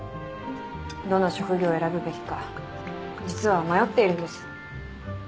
どの職業を選ぶべきか実は迷っているんです。